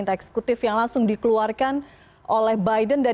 proses teruastai sama dengan saya pigeon man richmond unter